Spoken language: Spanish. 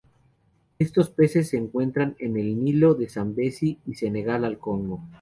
Estos peces se encuentran en el Nilo de Zambezi y de Senegal al Congo.